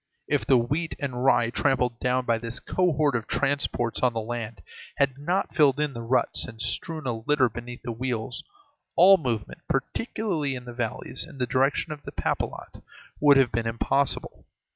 If the wheat and rye trampled down by this cohort of transports on the march had not filled in the ruts and strewn a litter beneath the wheels, all movement, particularly in the valleys, in the direction of Papelotte would have been impossible.